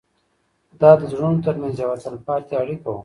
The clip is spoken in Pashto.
دا د زړونو تر منځ یوه تلپاتې اړیکه وه.